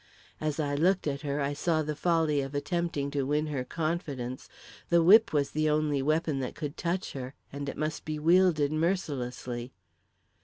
As I looked at her, I saw the folly of attempting to win her confidence the whip was the only weapon that could touch her and it must be wielded mercilessly.